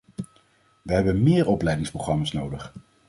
Wij hebben meer opleidingsprogramma's nodig.